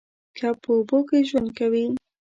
کب په اوبو کې ژوند کوي